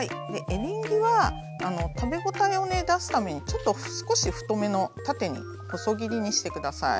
エリンギは食べ応えを出すためにちょっと少し太めの縦に細切りにして下さい。